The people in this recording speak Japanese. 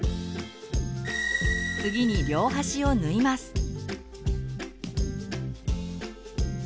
次に両端を縫います。